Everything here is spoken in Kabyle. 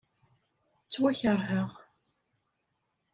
Ttwakeṛheɣ.